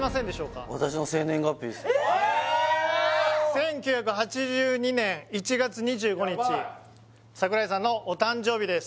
１９８２年１月２５日櫻井さんのお誕生日です